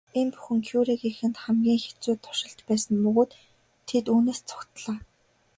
Энэ бүхэн Кюрегийнхэнд хамгийн хэцүү туршилт байсан бөгөөд тэд үүнээс зугтлаа.